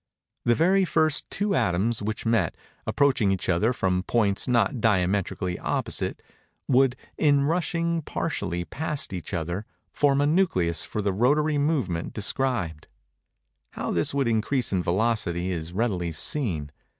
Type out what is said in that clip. The very first two atoms which met, approaching each other from points not diametrically opposite, would, in rushing partially past each other, form a nucleus for the rotary movement described. How this would increase in velocity, is readily seen.